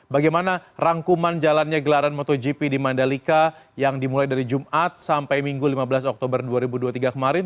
bagaimana rangkuman jalannya gelaran motogp di mandalika yang dimulai dari jumat sampai minggu lima belas oktober dua ribu dua puluh tiga kemarin